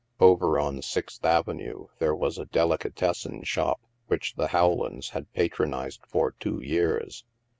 Over on Sixth Avenue there was a delicatessen shop which the Howlands had patronized for two years.